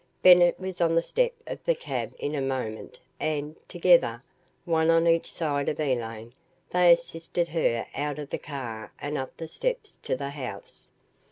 Bennett was on the step of the cab in a moment and, together, one on each side of Elaine, they assisted her out of the car and up the steps to the house.